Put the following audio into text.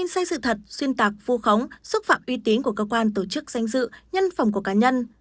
sai sự thật xuyên tạc vu khống xúc phạm uy tín của cơ quan tổ chức danh dự nhân phẩm của cá nhân